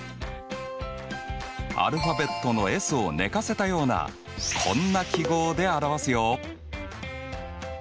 アルファベットのＳを寝かせたようなこんな記号で表すよ。